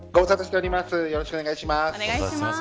よろしくお願いします。